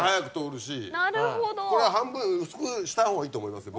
半分薄くしたほうがいいと思いますよ